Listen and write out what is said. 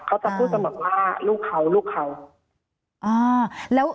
เขาจะพูดว่าลูกเขาลูกเขา